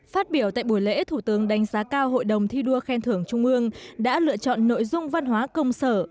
phát biểu tại buổi lễ thủ tướng đánh giá cao hội đồng thi đua khen thưởng trung ương đã lựa chọn nội dung văn hóa công sở